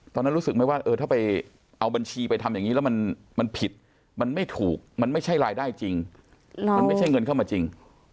ตอนนั้นรู้สึกไหมว่าเออถ้าไปเอาบัญชีไปทำอย่างนี้แล้วมันผิดมันไม่ถูกมันไม่ใช่รายได้จริงมันไม่ใช่เงินเข้ามาจริง